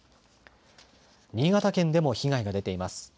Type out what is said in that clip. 新潟県でも被害が出ています。